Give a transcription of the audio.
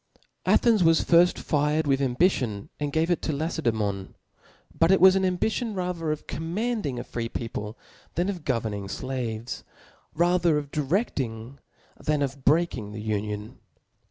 ' Athens was firft fired with ambition and gave it to LacedsBmon , but it was an ambition ra ther of commanding a free people, than of govern ing flaves •, rather of direfting than of breaking the union.